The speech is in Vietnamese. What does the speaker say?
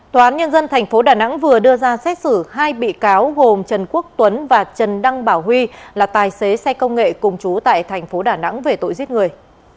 tòa án nhân dân tp đà nẵng vừa đưa ra xét xử hai bị cáo gồm trần quốc tuấn và trần đăng bảo huy là tài xế xe công nghệ cùng chú tại thành phố đà nẵng về tội giết người